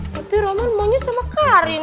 tapi roman maunya sama karin